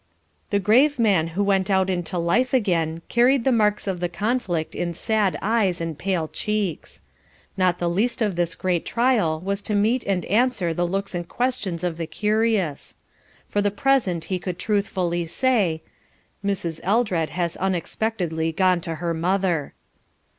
The grave man who went out into life again carried the marks of the conflict in sad eyes and pale cheeks. Not the least of this great trial was to meet and answer the looks and questions of the curious. For the present he could truthfully say: "Mrs. Eldred has unexpectedly gone to her mother."